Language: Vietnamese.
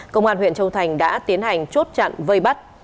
công an huyện châu thành đã tiến hành chốt chặn vây bắt